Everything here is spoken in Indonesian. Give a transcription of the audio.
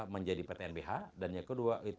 menjadi ptnbh dan yang kedua itu